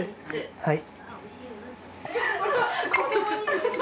はい。